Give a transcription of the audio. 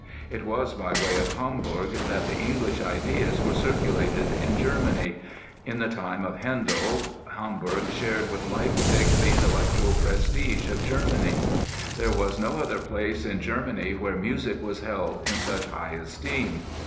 It was by way of Hamburg that the English ideas were circulated in Germany.... In the time of Handel, Hamburg shared with Leipzig the intellectual prestige of Germany. There was no other place in Germany where music was held in such high esteem.